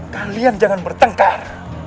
kalian jangan bertengkar